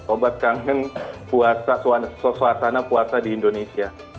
obat kangen puasa suasana puasa di indonesia